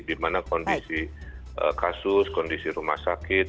dimana kondisi kasus kondisi rumah sakit